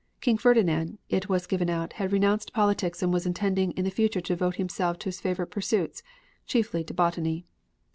King Ferdinand, it was given out, had renounced politics and was intending in the future to devote himself to his favorite pursuits, chiefly to botany.